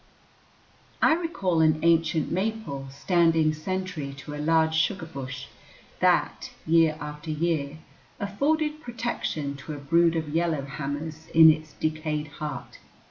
I recall an ancient maple standing sentry to a large sugar bush, that, year after year, afforded protection to a brood of yellow hammers in its decayed heart.